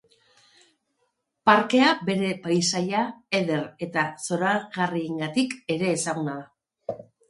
Parkea bere paisaia eder eta zoragarriarengatik ere ezaguna da.